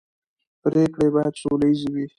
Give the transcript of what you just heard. پرېکړې باید سوله ییزې وي